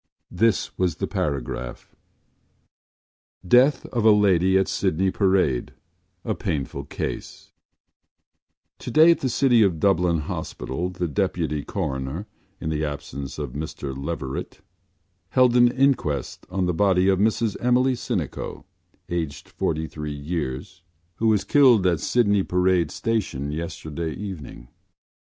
This was the paragraph: DEATH OF A LADY AT SYDNEY PARADE A PAINFUL CASE Today at the City of Dublin Hospital the Deputy Coroner (in the absence of Mr Leverett) held an inquest on the body of Mrs Emily Sinico, aged forty three years, who was killed at Sydney Parade Station yesterday evening.